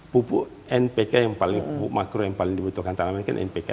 pupuk npk yang paling pupuk makro yang paling dibutuhkan tanaman kan npk